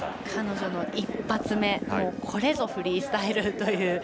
彼女の一発目これぞフリースタイルという。